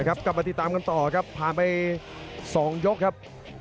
กลับมาติดตามกันต่อครับผ่านไป๒ยกครับ